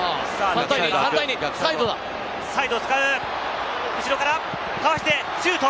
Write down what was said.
サイドを使う後ろからかわしてシュート！